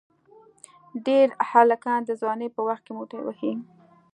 ډېری هلکان د ځوانی په وخت کې موټی وهي.